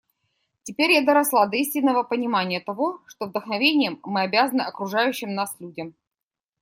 Теперь я доросла до истинного понимания того, что вдохновением мы обязаны окружающим нас людям.